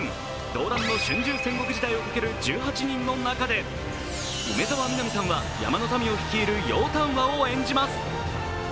動乱の春秋戦国時代を駆ける１８人の中で梅澤美波さんは山の民を演じる楊端和を演じます。